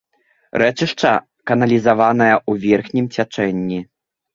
Рэчышча каналізаванае ў верхнім цячэнні.